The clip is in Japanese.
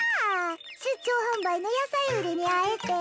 出張販売の野菜売りに会えて。